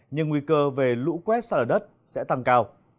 nhưng nguy cơ về lũ quét xa ở đất sẽ tăng cao